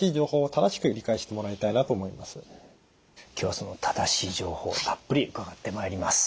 今日はその正しい情報たっぷり伺ってまいります。